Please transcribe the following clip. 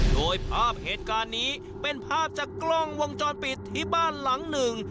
โดยภาพเหตุการณ์นี้เป็นภาพจากกล้องวงจรปิดที่บ้านหลังหนึ่ง